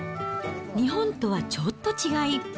日本とはちょっと違い。